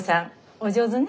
お上手ね。